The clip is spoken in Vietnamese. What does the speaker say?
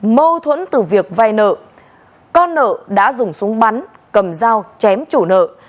mâu thuẫn từ việc vay nợ con nợ đã dùng súng bắn cầm dao chém chủ nợ